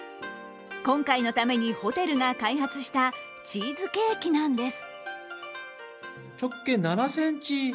今回のためにホテルが開発したチーズケーキなんです。